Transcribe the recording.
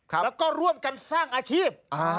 แล้วก็ร่วมกันสร้างอาชีพ